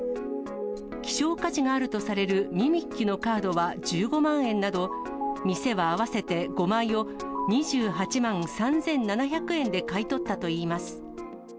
希少価値があるとされるミミッキュのカードは１５万円など、店は合わせて５枚を２８万３７００円で買い取ったといいます。